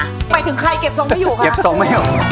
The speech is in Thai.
หมายถึงใครเก็บทรงไม่อยู่คะ